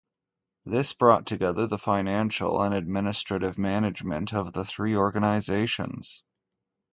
This brought together the financial and administrative management of the three organizations.